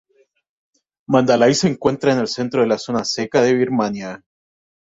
Mandalay se encuentra en el centro de la zona seca de Birmania.